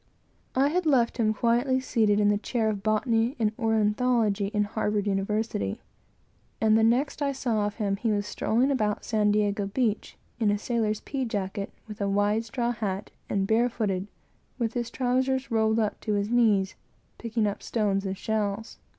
I had left him quietly seated in the chair of Botany and Ornithology, in Harvard University; and the next I saw of him, was strolling about San Diego beach, in a sailor's pea jacket, with a wide straw hat, and barefooted, with his trowsers roiled up to his knees, picking up stones and shells.